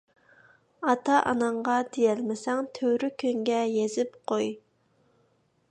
ئاتا ـ ئاناڭغا دېيەلمىسەڭ تۈۋرۈكۈڭگە يېزىپ قوي.